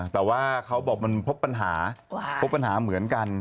แต่ว่าเขาบอกมันพบปัญหาเหมือนกัน